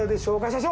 社長。